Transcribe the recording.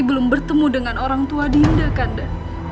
belum bertemu dengan orang tua dinda kanda